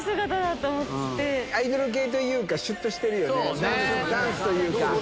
アイドル系というかシュっとしてるダンスというか。